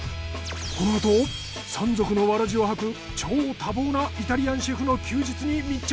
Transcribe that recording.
このあと三足のわらじを履く超多忙なイタリアンシェフの休日に密着。